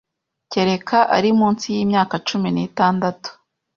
kereka ari munsi y’imyaka cumi nitandatu.